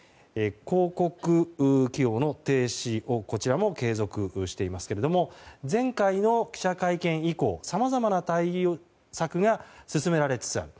広告企業の停止をこちらも継続していますが前回の記者会見以降さまざまな対策が進められつつある。